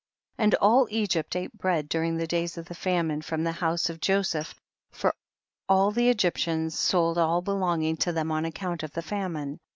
29. And all Egypt ate bread dur ing the days of the famine from the house of Joseph, for all the Egyp tians sold all belonging to them on account of the famine.